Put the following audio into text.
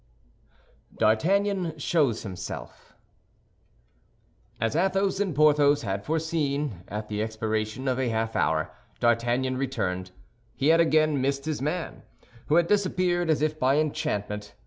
D'ARTAGNAN SHOWS HIMSELF As Athos and Porthos had foreseen, at the expiration of a half hour, D'Artagnan returned. He had again missed his man, who had disappeared as if by enchantment.